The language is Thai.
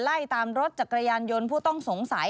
ไล่ตามรถจักรยานยนต์ผู้ต้องสงสัย